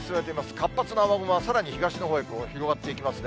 活発な雨雲はさらに東のほうへ広がっていきますね。